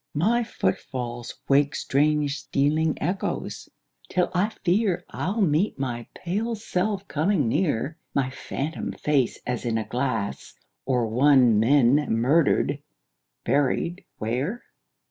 My footfalls wake Strange stealing echoes, till I fear I'll meet my pale self coming near; My phantom face as in a glass; Or one men murdered, buried where?